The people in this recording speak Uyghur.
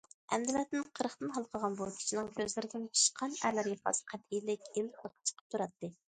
ئەمدىلەتىن قىرىقتىن ھالقىغان بۇ كىشىنىڭ كۆزلىرىدىن پىشقان ئەرلەرگە خاس قەتئىيلىك، ئىللىقلىق چىقىپ تۇراتتى.